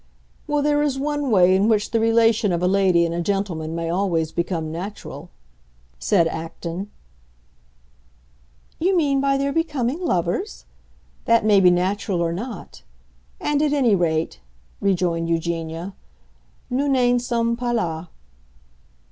"Well, there is one way in which the relation of a lady and a gentleman may always become natural," said Acton. "You mean by their becoming lovers? That may be natural or not. And at any rate," rejoined Eugenia, _"nous n'en sommes pas là!"